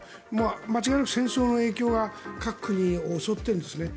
間違いなく戦争の影響は各国を襲っているんです。